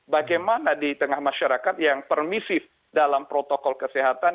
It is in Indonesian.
bagaimana di tengah masyarakat yang permisif dalam protokol kesehatan